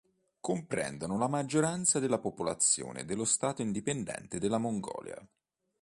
Comprendono la maggioranza della popolazione dello stato indipendente della Mongolia.